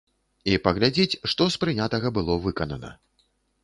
І паглядзіць, што з прынятага было выканана.